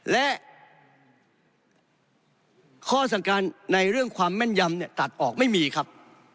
และข้อสั่งการในเรื่องความแม่นยำเนี่ยตัดออกไม่มีครับ